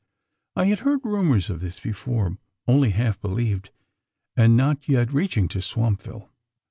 I had heard rumours of this before only half believed, and not yet reaching to Swampville.